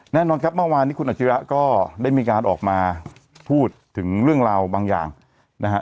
แน่นอนครับเมื่อวานนี้คุณอาชิระก็ได้มีการออกมาพูดถึงเรื่องราวบางอย่างนะฮะ